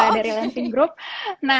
nah ini juga sebenarnya